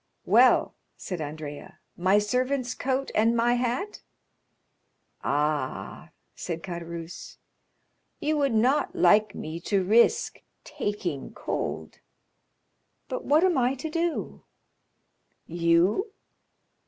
"Well!" said Andrea,—"my servant's coat and my hat?" "Ah," said Caderousse, "you would not like me to risk taking cold?" "But what am I to do?" "You?